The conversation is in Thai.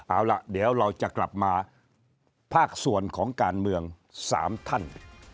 เอาล่ะเดี๋ยวเราจะกลับมาภาคส่วนของการเมือง๓ท่าน